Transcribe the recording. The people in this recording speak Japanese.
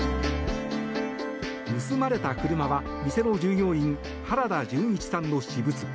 盗まれた車は、店の従業員原田順一さんの私物。